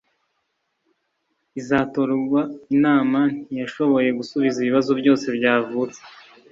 izatorwa Inama ntiyashoboye gusubiza ibibazo byose byavutse